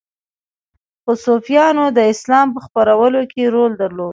خو صوفیانو د اسلام په خپرولو کې رول درلود